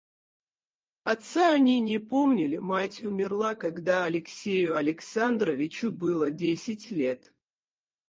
Отца они не помнили, мать умерла, когда Алексею Александровичу было десять лет.